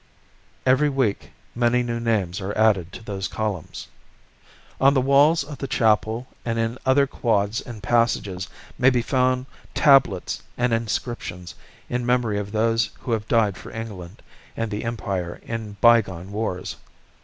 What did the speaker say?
Every week many new names are added to those columns. On the walls of the chapel and in other quads and passages may be found tablets and inscriptions in memory of those who have died for England and the empire in by gone wars.